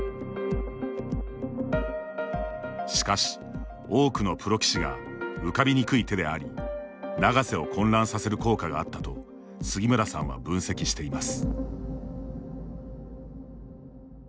しかし、多くのプロ棋士が浮かびにくい手であり永瀬を混乱させる効果があったと杉村さんは分析しています。